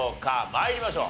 参りましょう。